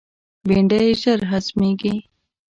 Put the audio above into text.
بېنډۍ ژر هضمیږي